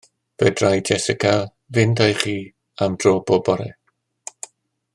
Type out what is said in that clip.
Arferai Jessica fynd â'i chi am dro bob bore.